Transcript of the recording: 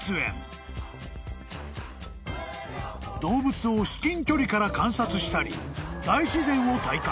［動物を至近距離から観察したり大自然を体感］